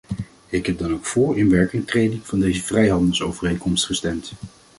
Ik heb dan ook vóór inwerkingtreding van deze vrijhandelsovereenkomst gestemd.